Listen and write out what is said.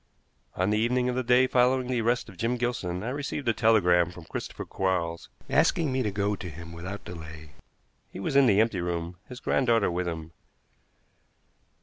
On the evening of the day following the arrest of Jim Gilson I received a telegram from Christopher Quarles, asking me to go to him without delay. He was in the empty room, his granddaughter with him.